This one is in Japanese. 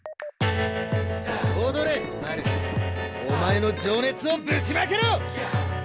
お前の情熱をぶちまけろ！